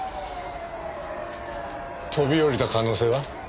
飛び降りた可能性は？